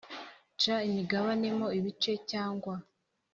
Guca imigabane mo ibice cyangwa